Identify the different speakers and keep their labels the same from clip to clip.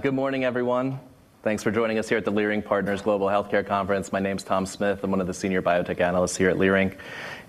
Speaker 1: Good morning, everyone. Thanks for joining us here at the Leerink Partners Global Healthcare Conference. My name's Tom Smith. I'm one of the senior biotech analysts here at Leerink,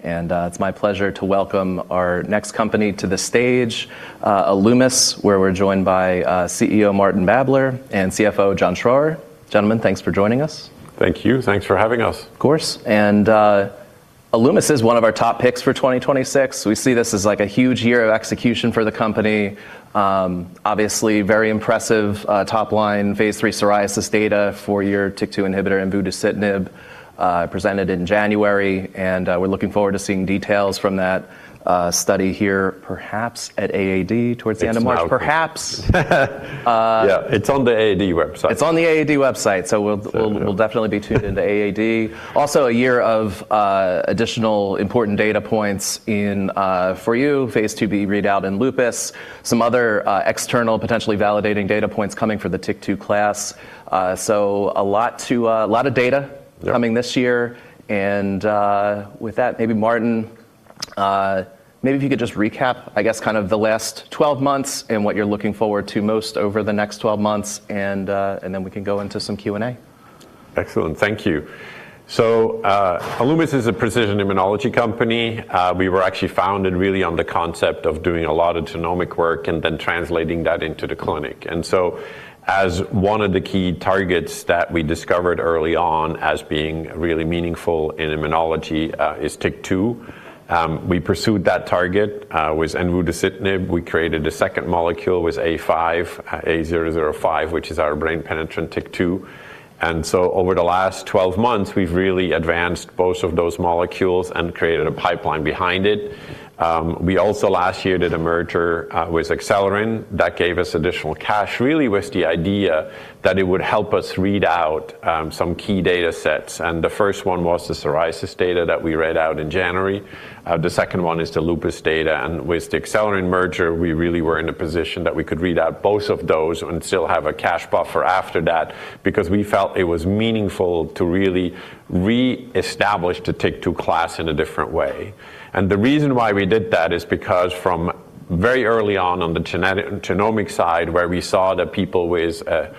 Speaker 1: and it's my pleasure to welcome our next company to the stage, Alumis, where we're joined by CEO Martin Babler and CFO John Schroer. Gentlemen, thanks for joining us.
Speaker 2: Thank you. Thanks for having us.
Speaker 1: Of course. Alumis is one of our top picks for 2026. We see this as like a huge year of execution for the company. Obviously very impressive top phase III psoriasis data for your TYK2 inhibitor and envudeucitinib presented in January, we're looking forward to seeing details from that study here, perhaps at AAD towards the end of March. Perhaps.
Speaker 2: Yeah. It's on the AAD website.
Speaker 1: It's on the AAD website.
Speaker 2: There you go....
Speaker 1: we'll definitely be tuned into AAD. A year of additional important data points in for you, phase II-B readout in lupus, some other external potentially validating data points coming for the TYK2 class. A lot of data-
Speaker 2: Yeah....
Speaker 1: coming this year. With that, maybe Martin, maybe if you could just recap, I guess kind of the last 12 months and what you're looking forward to most over the next 12 months, and then we can go into some Q&A.
Speaker 2: Excellent. Thank you. Alumis is a precision immunology company. We were actually founded really on the concept of doing a lot of genomic work and then translating that into the clinic. As one of the key targets that we discovered early on as being really meaningful in immunology, is TYK2. We pursued that target with envudeucitinib. We created a second molecule with A-005, which is our brain-penetrant TYK2. Over the last 12 months, we've really advanced both of those molecules and created a pipeline behind it. We also last year did a merger with Acelyrin. That gave us additional cash, really with the idea that it would help us read out some key data sets. The first one was the psoriasis data that we read out in January. The second one is the lupus data. With the Acelyrin merger, we really were in a position that we could read out both of those and still have a cash buffer after that because we felt it was meaningful to really re-establish the TYK2 class in a different way. The reason why we did that is because from very early on on the genomic side, where we saw that people that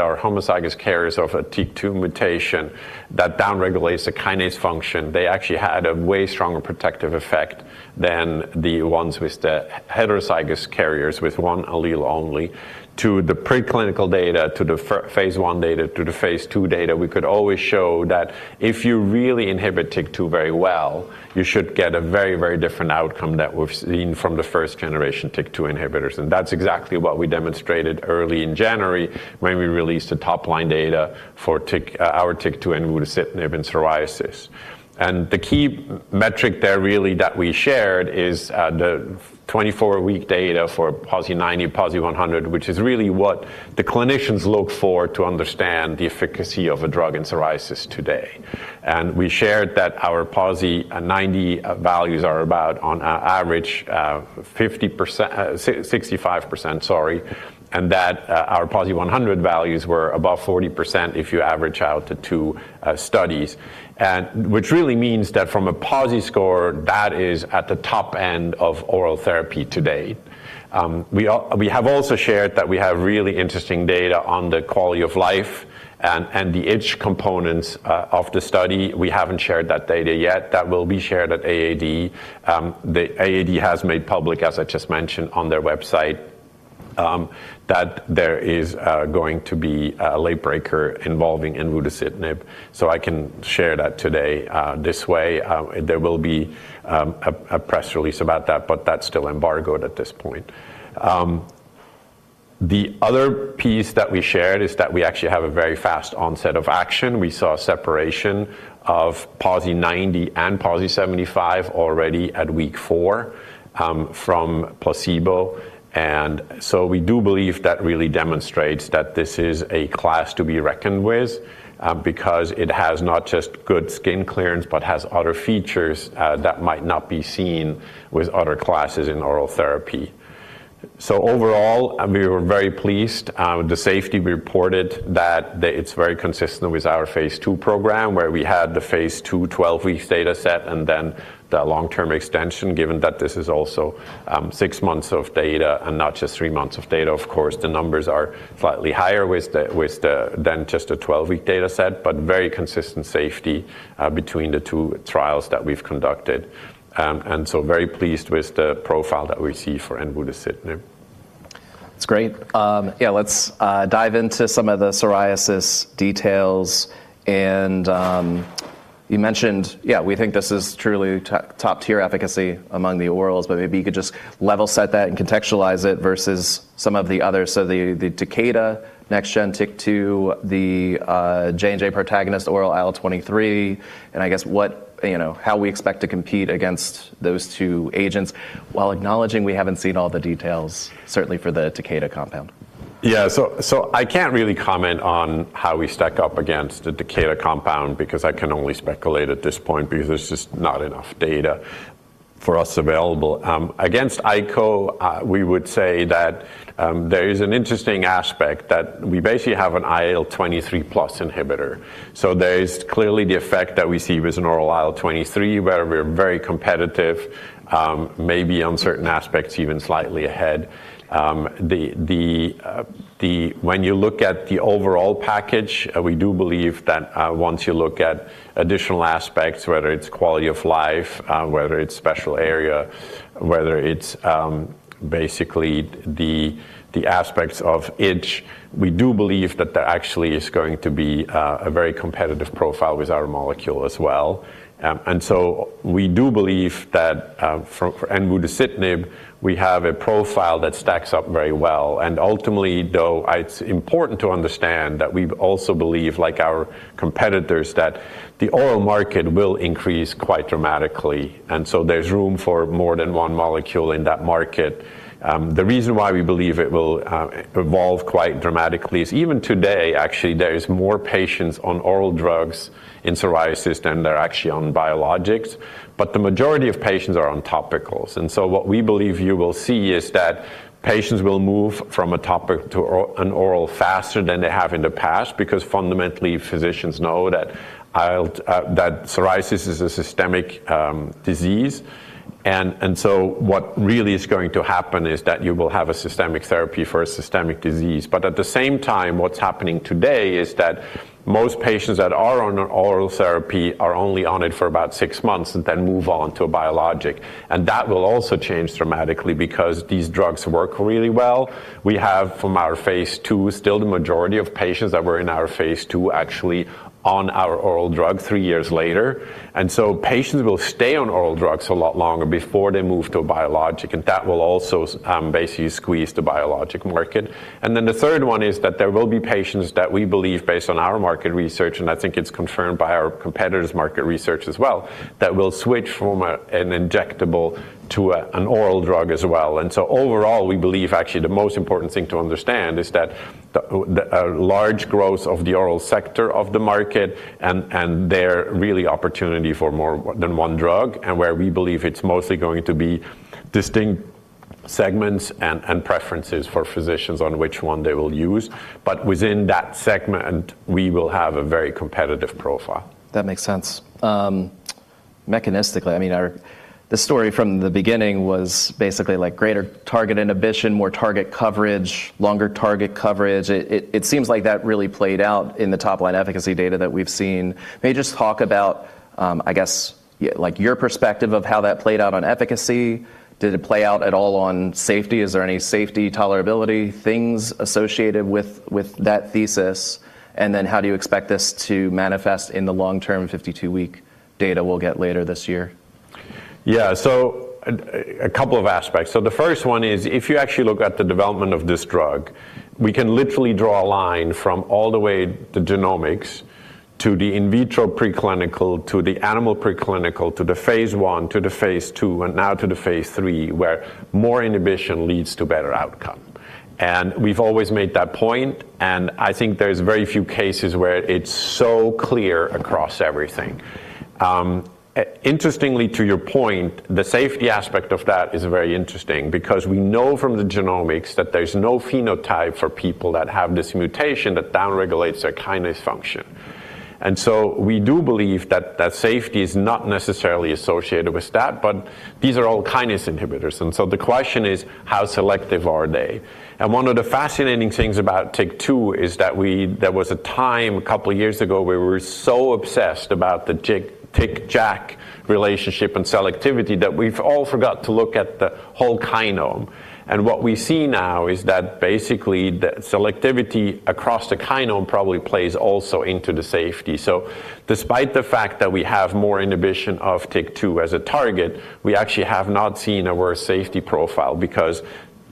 Speaker 2: are homozygous carriers of a TYK2 mutation that down-regulates the kinase function, they actually had a way stronger protective effect than the ones with the heterozygous carriers with one allele only. To the pre-clinical data, to the phase I data, to the phase II data, we could always show that if you really inhibit TYK2 very well, you should get a very, very different outcome than we've seen from the first-generation TYK2 inhibitors. That's exactly what we demonstrated early in January when we released the top-line data for our TYK2 inhibitor, envudeucitinib, in psoriasis. The key metric there really that we shared is the 24-week data for PASI 90, PASI 100, which is really what the clinicians look for to understand the efficacy of a drug in psoriasis today. We shared that our PASI 90 values are about on average 50% 65%, sorry, and that our PASI 100 values were above 40% if you average out the two studies. Which really means that from a PASI score, that is at the top end of oral therapy today. We have also shared that we have really interesting data on the quality of life and the itch components of the study. We haven't shared that data yet. That will be shared at AAD. The AAD has made public, as I just mentioned on their website, that there is going to be a late breaker involving envudeucitinib, so I can share that today this way. There will be a press release about that, but that's still embargoed at this point. The other piece that we shared is that we actually have a very fast onset of action. We saw separation of PASI 90 and PASI 75 already at week four from placebo. We do believe that really demonstrates that this is a class to be reckoned with, because it has not just good skin clearance, but has other features that might not be seen with other classes in oral therapy. Overall, we were very pleased with the safety. We reported that it's very consistent with our phase II program, where we had the phase II 12-week data set and then the long-term extension, given that this is also six months of data and not just three months of data. Of course, the numbers are slightly higher with the than just a 12-week data set, but very consistent safety between the two trials that we've conducted. Very pleased with the profile that we see for envudeucitinib.
Speaker 1: That's great. Yeah, let's dive into some of the psoriasis details and you mentioned, yeah, we think this is truly top tier efficacy among the orals, but maybe you could just level set that and contextualize it versus some of the others. The Takeda next-gen TYK2, the J&J Protagonist oral IL-23, and I guess what, you know, how we expect to compete against those two agents while acknowledging we haven't seen all the details, certainly for the Takeda compound.
Speaker 2: I can't really comment on how we stack up against the Takeda compound because I can only speculate at this point because there's just not enough data. For us available. Against ico we would say that there is an interesting aspect that we basically have an IL-23 plus inhibitor. There is clearly the effect that we see with an oral IL-23, where we're very competitive, maybe on certain aspects, even slightly ahead. When you look at the overall package, we do believe that once you look at additional aspects, whether it's quality of life, whether it's special area, whether it's basically the aspects of itch, we do believe that there actually is going to be a very competitive profile with our molecule as well. We do believe that for envudeucitinib, we have a profile that stacks up very well, and ultimately, though, it's important to understand that we also believe, like our competitors, that the oral market will increase quite dramatically. There's room for more than one molecule in that market. The reason why we believe it will evolve quite dramatically is even today, actually, there is more patients on oral drugs in psoriasis than there are actually on biologics. The majority of patients are on topicals. What we believe you will see is that patients will move from a topic to an oral faster than they have in the past because fundamentally, physicians know that IL that psoriasis is a systemic disease. What really is going to happen is that you will have a systemic therapy for a systemic disease. At the same time, what's happening today is that most patients that are on oral therapy are only on it for about six months and then move on to a biologic. That will also change dramatically because these drugs work really well. We have, from our phase II, still the majority of patients that were in our phase II actually on our oral drug three years later. Patients will stay on oral drugs a lot longer before they move to a biologic, and that will also basically squeeze the biologic market. The third one is that there will be patients that we believe based on our market research, and I think it's confirmed by our competitors' market research as well, that will switch from an injectable to an oral drug as well. Overall, we believe actually the most important thing to understand is that a large growth of the oral sector of the market and there really opportunity for more than one drug, and where we believe it's mostly going to be distinct segments and preferences for physicians on which one they will use. Within that segment, we will have a very competitive profile.
Speaker 1: That makes sense. Mechanistically, I mean, the story from the beginning was basically like greater target inhibition, more target coverage, longer target coverage. It seems like that really played out in the top-line efficacy data that we've seen. May you just talk about, I guess, like your perspective of how that played out on efficacy. Did it play out at all on safety? Is there any safety tolerability things associated with that thesis? Then how do you expect this to manifest in the long-term 52-week data we'll get later this year?
Speaker 2: Yeah. A couple of aspects. The first one is if you actually look at the development of this drug, we can literally draw a line from all the way to genomics, to the in vitro preclinical, to the animal preclinical, to the phase I, to the phase II, and now to phase III, where more inhibition leads to better outcome. We've always made that point, and I think there's very few cases where it's so clear across everything. Interestingly, to your point, the safety aspect of that is very interesting because we know from the genomics that there's no phenotype for people that have this mutation that downregulates their kinase function. We do believe that that safety is not necessarily associated with that, but these are all kinase inhibitors, and so the question is, how selective are they? One of the fascinating things about TYK2 is that there was a time a couple of years ago where we were so obsessed about the TYK-JAK relationship and selectivity that we've all forgot to look at the whole kinome. What we see now is that basically, the selectivity across the kinome probably plays also into the safety. Despite the fact that we have more inhibition of TYK2 as a target, we actually have not seen a worse safety profile because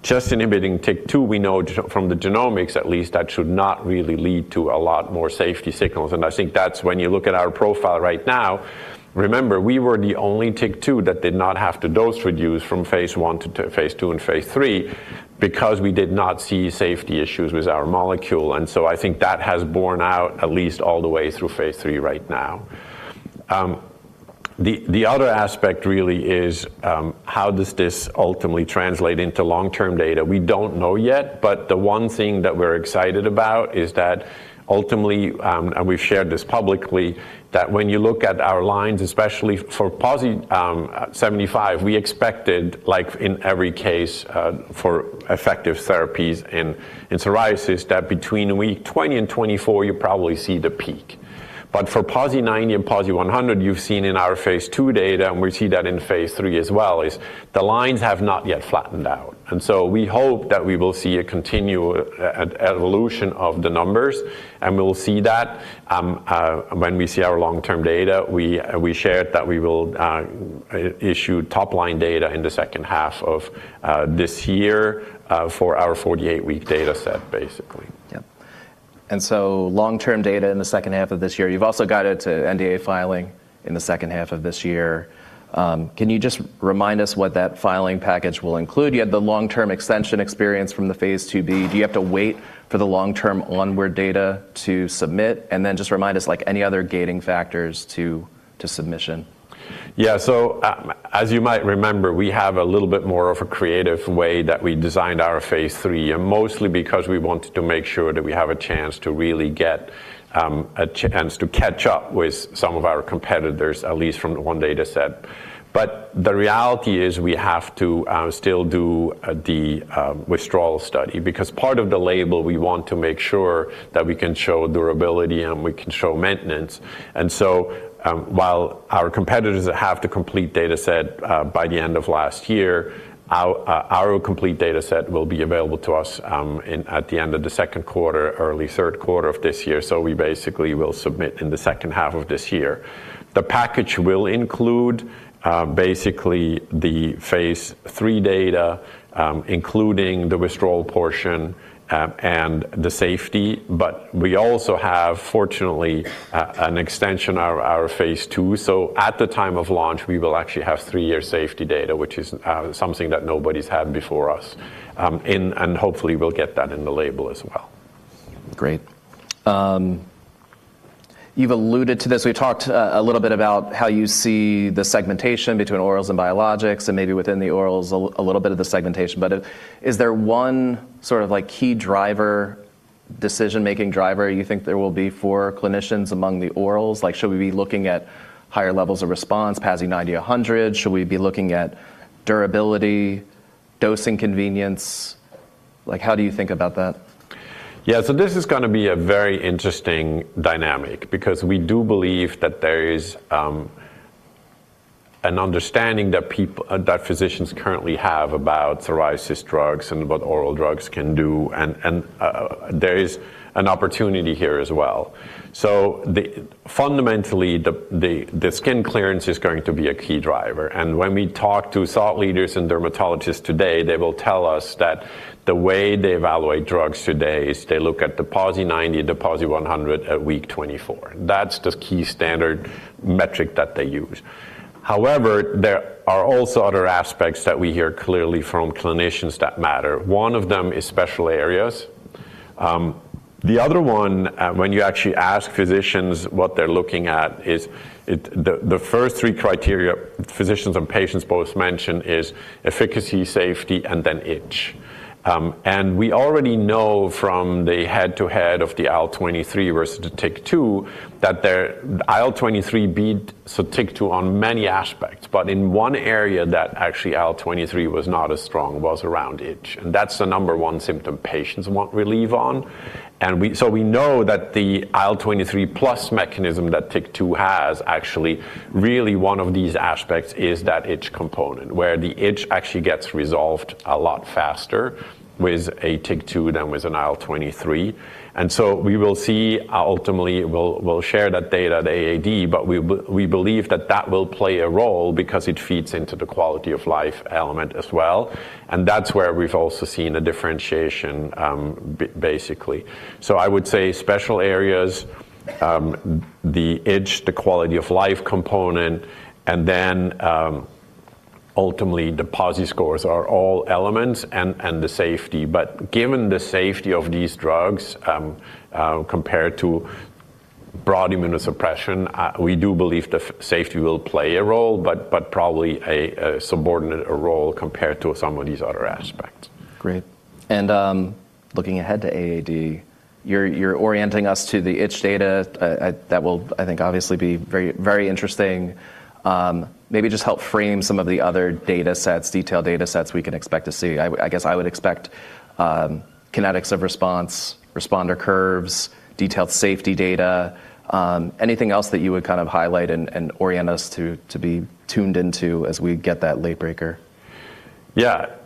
Speaker 2: just inhibiting TYK2, we know from the genomics at least, that should not really lead to a lot more safety signals. I think that's when you look at our profile right now. Remember, we were the only TYK2 that did not have to dose reduce from phase I to phase II phase III because we did not see safety issues with our molecule. I think that has borne out at least all the way phase III right now. The other aspect really is how does this ultimately translate into long-term data? We don't know yet, but the one thing that we're excited about is that ultimately, and we've shared this publicly, that when you look at our lines, especially for PASI 75, we expected, like in every case, for effective therapies in psoriasis, that between week 20 and 24, you probably see the peak. For PASI 90 and PASI 100, you've seen in our phase II data, and we see that phase III as well, is the lines have not yet flattened out. We hope that we will see a continued evolution of the numbers, and we'll see that when we see our long-term data. We shared that we will issue top-line data in the second half of this year for our 48-week data set, basically.
Speaker 1: Yep. long-term data in the second half of this year. You've also guided to NDA filing in the second half of this year. can you just remind us what that filing package will include? You had the long-term extension experience from the phase II-B. Do you have to wait for the long-term onward data to submit? just remind us, like any other gating factors to submission.
Speaker 2: As you might remember, we have a little bit more of a creative way that we designed our phase III, mostly because we wanted to make sure that we have a chance to really get a chance to catch up with some of our competitors, at least from one data set. The reality is we have to still do the withdrawal study because part of the label, we want to make sure that we can show durability and we can show maintenance. While our competitors have the complete data set by the end of last year, our complete data set will be available to us at the end of the second quarter, early third quarter of this year. We basically will submit in the second half of this year. The package will include, basically the phase III data, including the withdrawal portion, and the safety. We also have, fortunately, an extension of our phase II. At the time of launch, we will actually have three-year safety data, which is something that nobody's had before us, and hopefully we'll get that in the label as well.
Speaker 1: Great. You've alluded to this. We talked a little bit about how you see the segmentation between orals and biologics and maybe within the orals a little bit of the segmentation. Is there one sort of like key driver, decision-making driver you think there will be for clinicians among the orals? Like, should we be looking at higher levels of response, PASI 90, 100? Should we be looking at durability, dosing convenience? Like, how do you think about that?
Speaker 2: This is going to be a very interesting dynamic because we do believe that there is an understanding that physicians currently have about psoriasis drugs and what oral drugs can do and there is an opportunity here as well. Fundamentally, the skin clearance is going to be a key driver. When we talk to thought leaders and dermatologists today, they will tell us that the way they evaluate drugs today is they look at the PASI 90, the PASI 100 at week 24. That's the key standard metric that they use. However, there are also other aspects that we hear clearly from clinicians that matter. One of them is special areas. The other one, when you actually ask physicians what they're looking at the first three criteria physicians and patients both mention is efficacy, safety, and then itch. We already know from the head-to-head of the IL-23 versus the TYK2, that their IL-23 beat TYK2 on many aspects. In one area that actually IL-23 was not as strong was around itch, and that's the number one symptom patients want relief on. We know that the IL-23 plus mechanism that TYK2 has actually, really one of these aspects is that itch component, where the itch actually gets resolved a lot faster with a TYK2 than with an IL-23. We will see. Ultimately, we'll share that data at AAD, but we believe that that will play a role because it feeds into the quality-of-life element as well, and that's where we've also seen a differentiation, basically. I would say special areas, the itch, the quality of life component, and then, ultimately, the PASI scores are all elements and the safety. Given the safety of these drugs, compared to broad immunosuppression, we do believe the safety will play a role, but probably a subordinate role compared to some of these other aspects.
Speaker 1: Great. Looking ahead to AAD, you're orienting us to the itch data, that will, I think, obviously be very, very interesting. Maybe just help frame some of the other datasets, detailed datasets we can expect to see. I guess I would expect, kinetics of response, responder curves, detailed safety data. Anything else that you would kind of highlight and orient us to be tuned into as we get that late breaker?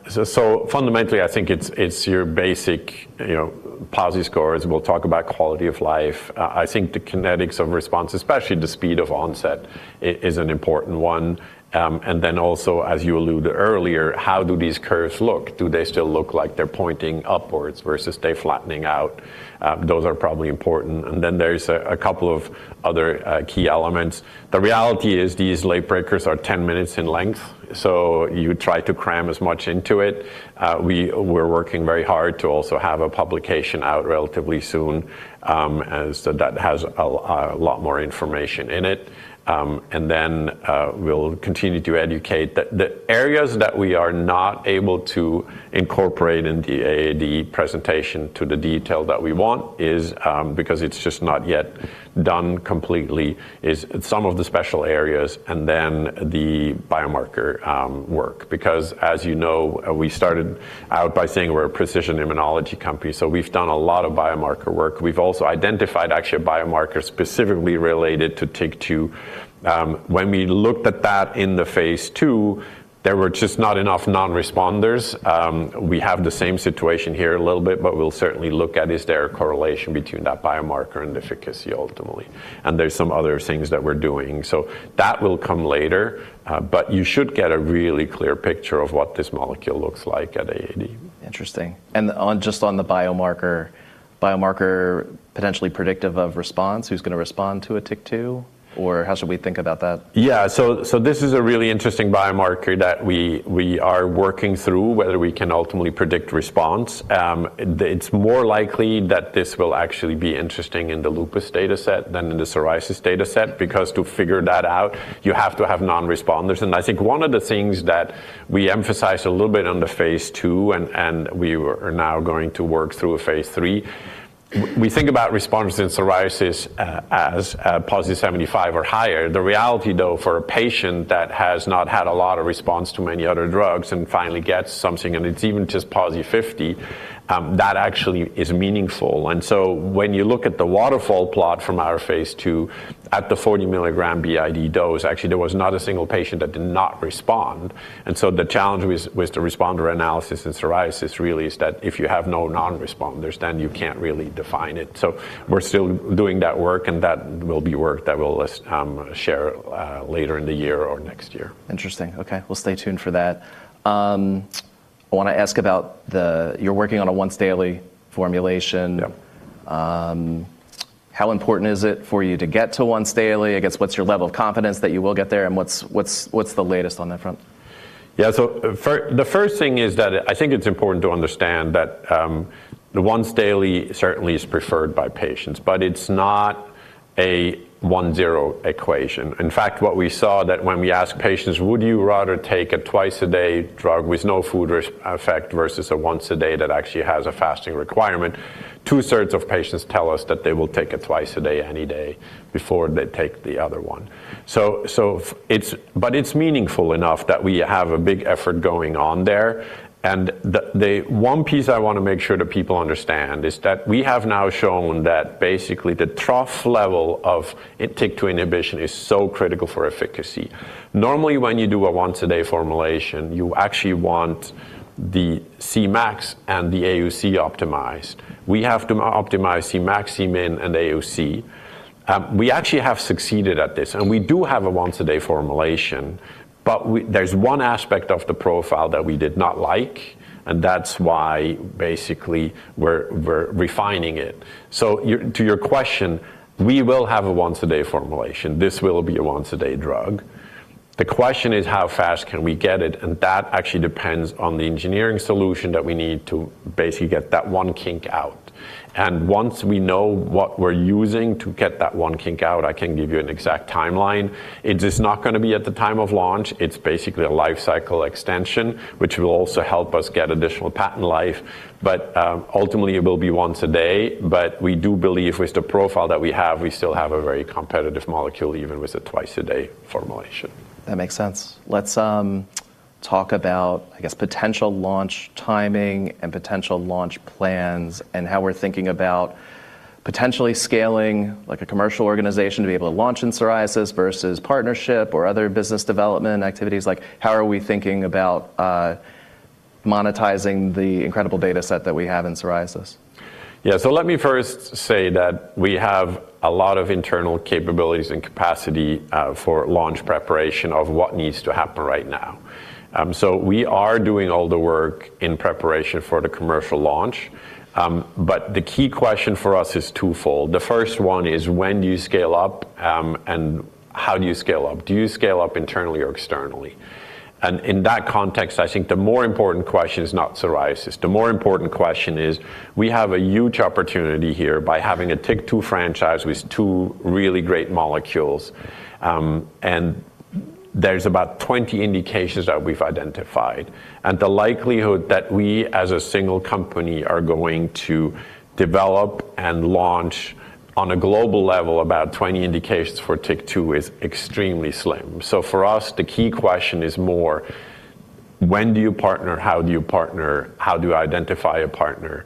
Speaker 2: Yeah. Fundamentally, I think it's your basic, you know, PASI scores. We'll talk about quality of life. I think the kinetics of response, especially the speed of onset is an important one. Also, as you alluded earlier, how do these curves look? Do they still look like they're pointing upwards versus they flattening out? Those are probably important. Then there's a couple of other key elements. The reality is these late breakers are 10 minutes in length, so you try to cram as much into it. We're working very hard to also have a publication out relatively soon, as that has a lot more information in it. Then we'll continue to educate. The areas that we are not able to incorporate in the AAD presentation to the detail that we want is, because it's just not yet done completely is some of the special areas and then the biomarker work. As you know, we started out by saying we're a precision immunology company, so we've done a lot of biomarker work. We've also identified actually a biomarker specifically related to TYK2. When we looked at that in the phase II, there were just not enough non-responders. We have the same situation here a little bit, but we'll certainly look at, is there a correlation between that biomarker and efficacy ultimately? There's some other things that we're doing. That will come later, but you should get a really clear picture of what this molecule looks like at AAD.
Speaker 1: Interesting. Just on the biomarker potentially predictive of response, who's going to respond to a TYK2? How should we think about that?
Speaker 2: This is a really interesting biomarker that we are working through whether we can ultimately predict response. It's more likely that this will actually be interesting in the lupus dataset than in the psoriasis dataset, because to figure that out, you have to have non-responders. I think one of the things that we emphasize a little bit on the phase II and we are now going to work through a phase III, we think about responders in psoriasis as PASI 75 or higher. The reality, though, for a patient that has not had a lot of response to many other drugs and finally gets something, and it's even just PASI 50, that actually is meaningful. When you look at the waterfall plot from our phase II at the 40mg BID dose, actually, there was not a single patient that did not respond. The challenge with the responder analysis in psoriasis really is that if you have no non-responders, then you can't really define it. We're still doing that work, and that will be work that we'll share later in the year or next year.
Speaker 1: Interesting. Okay. We'll stay tuned for that. I wanna ask about the-- You're working on a once-daily formulation.
Speaker 2: Yep.
Speaker 1: How important is it for you to get to once-daily? I guess, what's your level of confidence that you will get there, and what's the latest on that front?
Speaker 2: Yeah. The first thing is that I think it's important to understand that the once-daily certainly is preferred by patients, but it's not a 1-0 equation. In fact, what we saw that when we asked patients, "Would you rather take a twice-a-day drug with no food effect versus a once-a-day that actually has a fasting requirement?" 2/3 of patients tell us that they will take it twice a day any day before they take the other one. So it's meaningful enough that we have a big effort going on there. The one piece I wanna make sure that people understand is that we have now shown that basically the trough level of a TYK2 inhibition is so critical for efficacy. Normally, when you do a once-a-day formulation, you actually want the Cmax and the AUC optimized. We have to optimize Cmax, Cmin, and AUC. We actually have succeeded at this, and we do have a once-a-day formulation, but there's one aspect of the profile that we did not like, and that's why basically we're refining it. To your question, we will have a once-a-day formulation. This will be a once-a-day drug. The question is how fast can we get it, and that actually depends on the engineering solution that we need to basically get that one kink out. Once we know what we're using to get that one kink out, I can give you an exact timeline. It is not gonna be at the time of launch. It's basically a lifecycle extension, which will also help us get additional patent life. Ultimately, it will be once a day. We do believe with the profile that we have, we still have a very competitive molecule, even with a twice-a-day formulation.
Speaker 1: That makes sense. Let's talk about, I guess, potential launch timing and potential launch plans and how we're thinking about potentially scaling like a commercial organization to be able to launch in psoriasis versus partnership or other business development activities. Like, how are we thinking about monetizing the incredible data set that we have in psoriasis?
Speaker 2: Let me first say that we have a lot of internal capabilities and capacity for launch preparation of what needs to happen right now. We are doing all the work in preparation for the commercial launch. The key question for us is twofold. The first one is, when do you scale up, and how do you scale up? Do you scale up internally or externally? In that context, I think the more important question is not psoriasis. The more important question is we have a huge opportunity here by having a TYK2 franchise with two really great molecules, and there's about 20 indications that we've identified. The likelihood that we, as a single company, are going to develop and launch on a global level about 20 indications for TYK2 is extremely slim. For us, the key question is more: when do you partner? How do you partner? How do you identify a partner?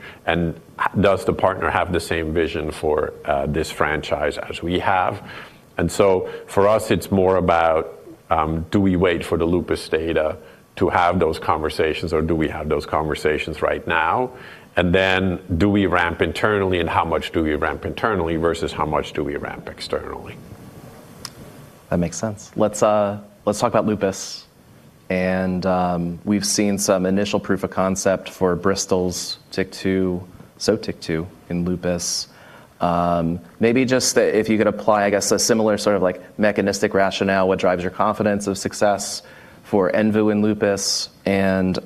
Speaker 2: Does the partner have the same vision for this franchise as we have? For us, it's more about, do we wait for the lupus data to have those conversations, or do we have those conversations right now? Then do we ramp internally, and how much do we ramp internally versus how much do we ramp externally?
Speaker 1: That makes sense. Let's talk about lupus. We've seen some initial proof of concept for Bristol's TYK2, so TYK2 in lupus. Maybe just if you could apply, I guess, a similar sort of like mechanistic rationale, what drives your confidence of success for envu and lupus, and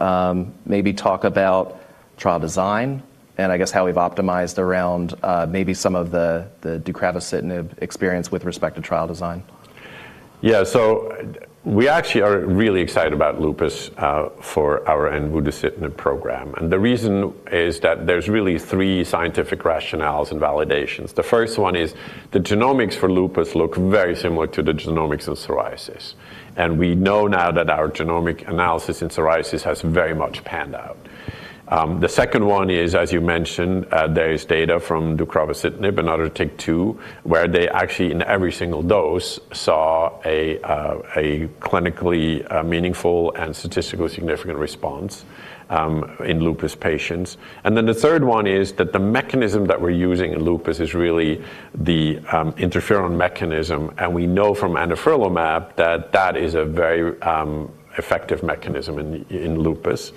Speaker 1: maybe talk about trial design and I guess how we've optimized around maybe some of the deucravacitinib experience with respect to trial design.
Speaker 2: Yeah. We actually are really excited about lupus for our envudeucitinib program. The reason is that there's really three scientific rationales and validations. The first one is the genomics for lupus look very similar to the genomics of psoriasis, and we know now that our genomic analysis in psoriasis has very much panned out. The second one is, as you mentioned, there is data from deucravacitinib, another TYK2, where they actually, in every single dose, saw a clinically meaningful and statistically significant response in lupus patients. The third one is that the mechanism that we're using in lupus is really the interferon mechanism, and we know from anifrolumab that that is a very effective mechanism in lupus,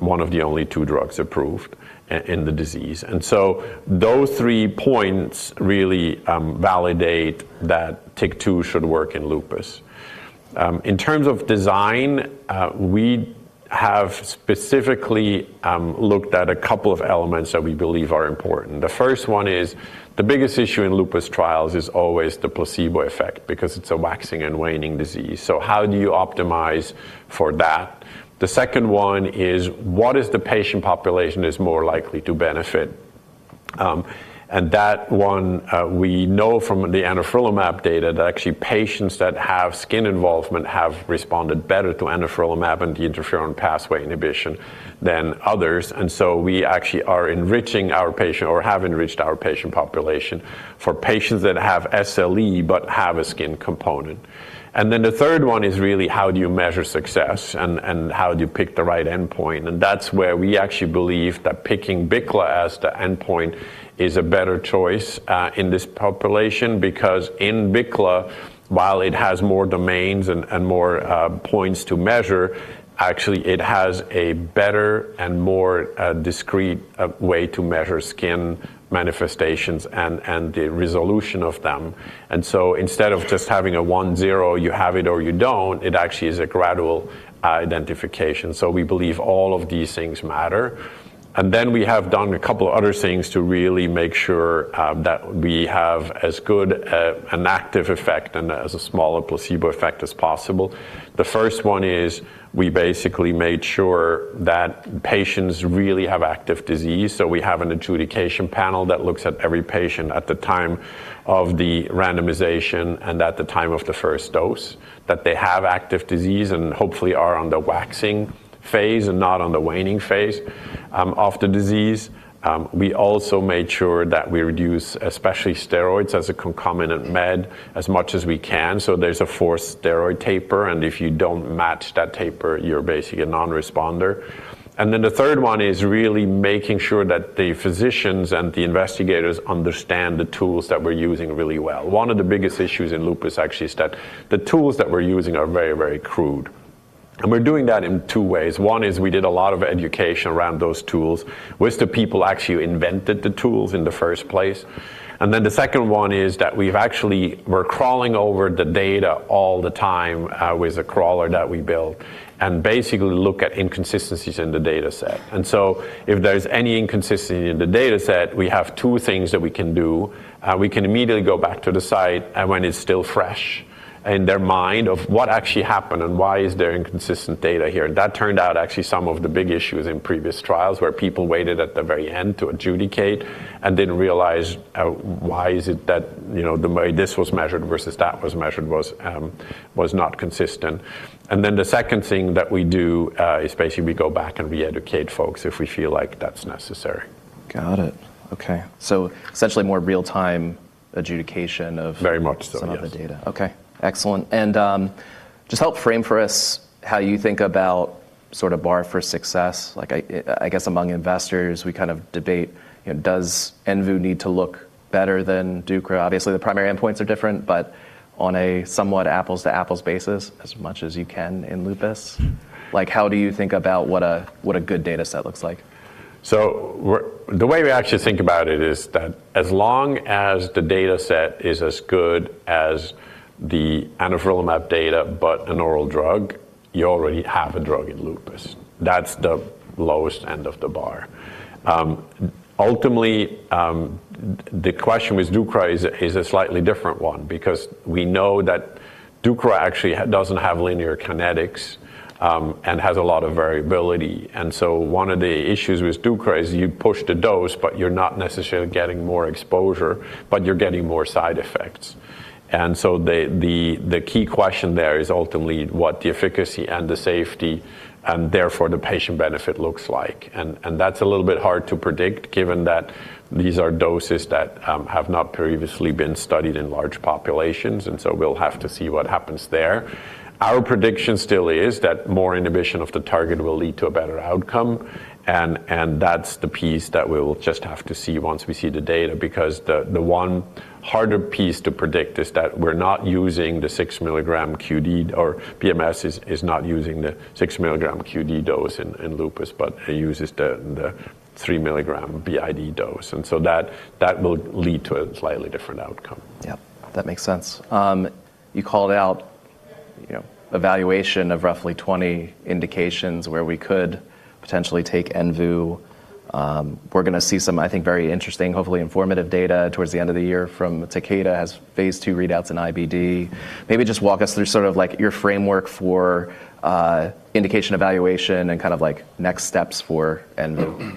Speaker 2: one of the only two drugs approved in the disease. Those three points really validate that TYK2 should work in lupus. In terms of design, we have specifically looked at a couple of elements that we believe are important. The first one is the biggest issue in lupus trials is always the placebo effect because it's a waxing and waning disease. How do you optimize for that? The second one is what is the patient population is more likely to benefit? That one, we know from the anifrolumab data that actually patients that have skin involvement have responded better to anifrolumab and the interferon pathway inhibition than others. We actually are enriching our patient or have enriched our patient population for patients that have SLE but have a skin component. The third one is really how do you measure success and how do you pick the right endpoint? That's where we actually believe that picking BICLA as the endpoint is a better choice in this population, because in BICLA, while it has more domains and more points to measure, actually it has a better and more discreet way to measure skin manifestations and the resolution of them. Instead of just having a one zero, you have it or you don't, it actually is a gradual identification. We believe all of these things matter. We have done two other things to really make sure that we have as good an active effect and as a smaller placebo effect as possible. The 1st one is we basically made sure that patients really have active disease, so we have an adjudication panel that looks at every patient at the time of the randomization and at the time of the first dose, that they have active disease and hopefully are on the waxing phase and not on the waning phase of the disease. We also made sure that we reduce especially steroids as a concomitant med as much as we can. There's a four-steroid taper, and if you don't match that taper, you're basically a non-responder. The third one is really making sure that the physicians and the investigators understand the tools that we're using really well. One of the biggest issues in lupus actually is that the tools that we're using are very, very crude. We're doing that in two ways. One is we did a lot of education around those tools with the people actually who invented the tools in the first place. The second one is that we're crawling over the data all the time with a crawler that we built and basically look at inconsistencies in the dataset. If there's any inconsistency in the dataset, we have two things that we can do. We can immediately go back to the site when it's still fresh in their mind of what actually happened and why is there inconsistent data here. That turned out actually some of the big issues in previous trials, where people waited at the very end to adjudicate and didn't realize, why is it that, you know, the way this was measured versus that was measured was not consistent. The second thing that we do, is basically we go back and re-educate folks if we feel like that's necessary.
Speaker 1: Got it. Okay. Essentially more real-time adjudication.
Speaker 2: Very much so, yes.
Speaker 1: some of the data. Okay, excellent. Just help frame for us how you think about sort of bar for success? Like I guess among investors, we kind of debate, you know, does envu need to look better than dukor? Obviously, the primary endpoints are different, but on a somewhat apples-to-apples basis, as much as you can in lupus, like, how do you think about what a good dataset looks like?
Speaker 2: The way we actually think about it is that as long as the dataset is as good as the anifrolumab data, but an oral drug, you already have a drug in lupus. That's the lowest end of the bar. Ultimately, the question with dukor is a slightly different one because we know that dukor actually doesn't have linear kinetics and has a lot of variability. One of the issues with dukor is you push the dose, but you're not necessarily getting more exposure, but you're getting more side effects. The key question there is ultimately what the efficacy and the safety and therefore the patient benefit looks like. That's a little bit hard to predict given that these are doses that have not previously been studied in large populations, and so we'll have to see what happens there. Our prediction still is that more inhibition of the target will lead to a better outcome, and that's the piece that we'll just have to see once we see the data, because the one harder piece to predict is that we're not using the 6mg QD or BMS is not using the 6mg QD dose in lupus, but it uses the 3mg BID dose. So that will lead to a slightly different outcome.
Speaker 1: Yep, that makes sense. You called out, you know, evaluation of roughly 20 indications where we could potentially take envu. We're gonna see some, I think, very interesting, hopefully informative data towards the end of the year from Takeda as phase II readouts in IBD. Maybe just walk us through sort of like your framework for indication evaluation and kind of like next steps for envu.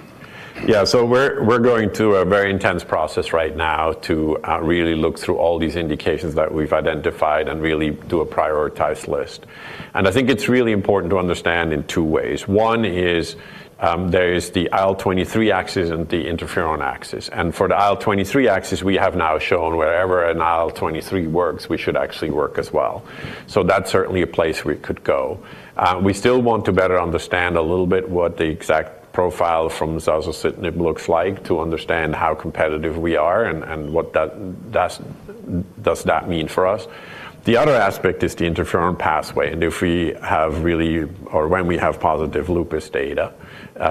Speaker 2: Yeah. We're going through a very intense process right now to really look through all these indications that we've identified and really do a prioritized list. I think it's really important to understand in two ways. One is, there is the IL-23 axis and the interferon axis. For the IL-23 axis, we have now shown wherever an IL-23 works, we should actually work as well. That's certainly a place we could go. We still want to better understand a little bit what the exact profile from zasocitinib looks like to understand how competitive we are and what that does that mean for us. The other aspect is the interferon pathway. If we have really, or when we have positive lupus data,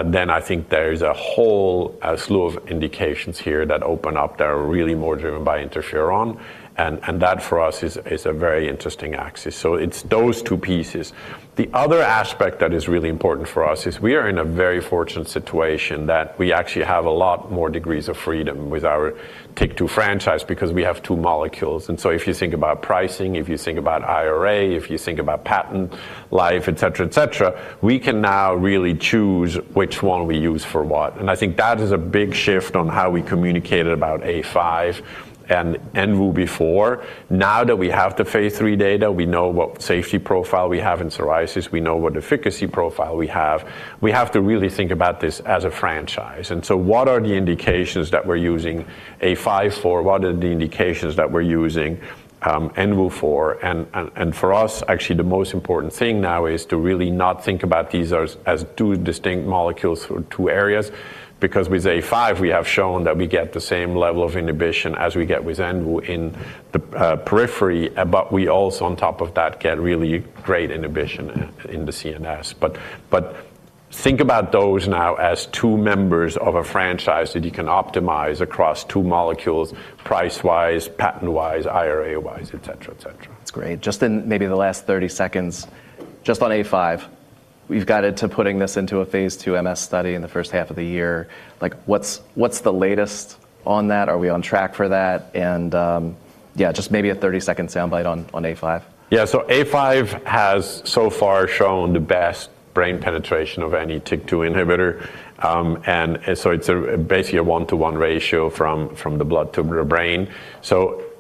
Speaker 2: then I think there is a whole slew of indications here that open up that are really more driven by interferon. That for us is a very interesting axis. It's those two pieces. The other aspect that is really important for us is we are in a very fortunate situation that we actually have a lot more degrees of freedom with our TYK2 franchise because we have two molecules. If you think about pricing, if you think about IRA, if you think about patent life, et cetera, et cetera, we can now really choose which one we use for what. I think that is a big shift on how we communicated about A-005 and envu before. Now that we have phase III data, we know what safety profile we have in psoriasis, we know what efficacy profile we have, we have to really think about this as a franchise. What are the indications that we're using A-005 for? What are the indications that we're using ENVU for? For us, actually the most important thing now is to really not think about these as two distinct molecules for two areas, because with A-005, we have shown that we get the same level of inhibition as we get with ENVU in the periphery, but we also on top of that get really great inhibition in the CNS. Think about those now as two members of a franchise that you can optimize across two molecules price-wise, patent-wise, IRA-wise, et cetera, et cetera.
Speaker 1: That's great. Just in maybe the last 30 seconds, just on A-005, we've got into putting this into a phase II MS study in the first half of the year. What's the latest on that? Are we on track for that? Just maybe a 30-second soundbite on A-005.
Speaker 2: Yeah. A five has so far shown the best brain penetration of any TYK2 inhibitor. It's basically a one-to-one ratio from the blood to the brain.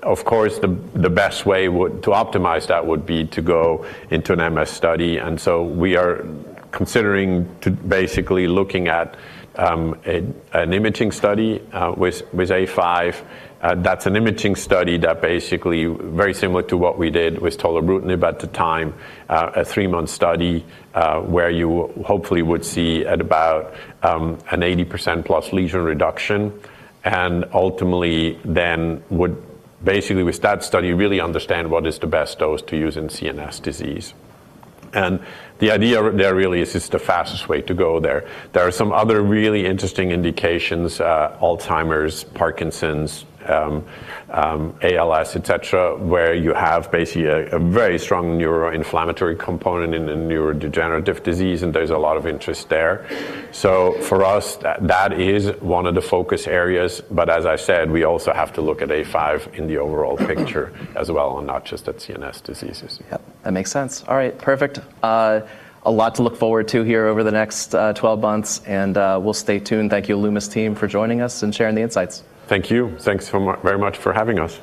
Speaker 2: Of course, the best way to optimize that would be to go into an MS study. We are considering basically looking at an imaging study with A five. That's an imaging study that very similar to what we did with tolebrutinib at the time, a three-month study, where you hopefully would see at about an 80%+ lesion reduction, and ultimately then would basically with that study, really understand what is the best dose to use in CNS disease. The idea there really is just the fastest way to go there. There are some other really interesting indications, Alzheimer's, Parkinson's, ALS, et cetera, where you have basically a very strong neuroinflammatory component in a neurodegenerative disease, and there's a lot of interest there. For us, that is one of the focus areas. As I said, we also have to look at A-005 in the overall picture as well, and not just at CNS diseases.
Speaker 1: Yep, that makes sense. All right. Perfect. A lot to look forward to here over the next 12 months. We'll stay tuned. Thank you, Alumis team, for joining us and sharing the insights.
Speaker 2: Thank you. Thanks very much for having us.